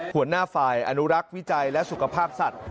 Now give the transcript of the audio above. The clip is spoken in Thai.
หัวหน้าฝ่ายอนุรักษ์วิจัยและสุขภาพสัตว